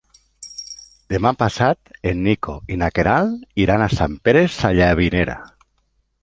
Demà passat en Nico i na Queralt iran a Sant Pere Sallavinera.